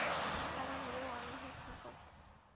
তারা বলল, আল্লাহর শপথ!